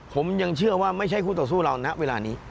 ผมยังเชื่อว่าไม่ใช่คู่ต่อสู้เราณเวลานี้